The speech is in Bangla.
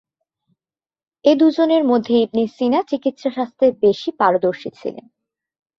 এ দুজনের মধ্যে ইবনে সিনা চিকিৎসা শাস্ত্রে বেশি পারদর্শী ছিলেন।